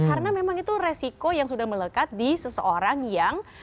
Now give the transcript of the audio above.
karena memang itu resiko yang sudah melekat di seseorang yang